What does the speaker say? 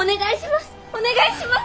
お願いします！